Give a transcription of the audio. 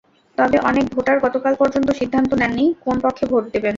তবে অনেক ভোটার গতকাল পর্যন্ত সিদ্ধান্ত নেননি, কোন পক্ষে ভোট দেবেন।